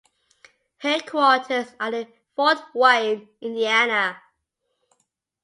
Headquarters are in Fort Wayne, Indiana.